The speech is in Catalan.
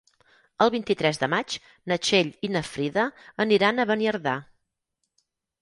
El vint-i-tres de maig na Txell i na Frida aniran a Beniardà.